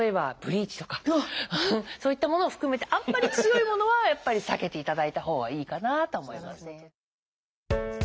そういったものを含めてあんまり強いものはやっぱり避けていただいたほうがいいかなとは思いますね。